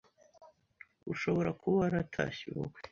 Ushobora kuba waratashye ubukwe